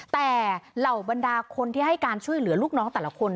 แต่เหล่าบรรดาคนที่ให้การช่วยเหลือลูกน้องแต่ละคน